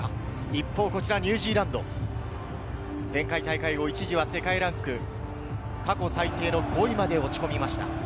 一方、ニュージーランド、前回大会も一時は過去最低の５位まで落ち込みました。